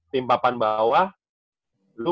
tim papan bawah lu